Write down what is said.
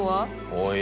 「おい」